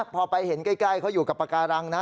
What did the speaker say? พอไปเห็นใกล้เขาอยู่กับปากการังนะ